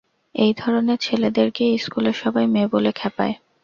এই ধরনের ছেলেদেরকেই স্কুলে সবাই মেয়ে বলে খেপায়।